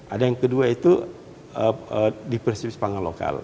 ada yang kedua itu di persis pangan lokal